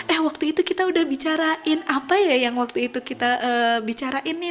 eh waktu itu kita udah bicarain apa ya yang waktu itu kita bicarain nih